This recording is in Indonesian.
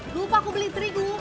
lupa aku beli terigu